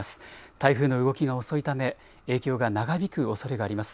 台風の動きが遅いため影響が長引くおそれがあります。